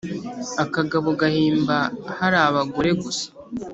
• akagabo gahimba hari abagore gusa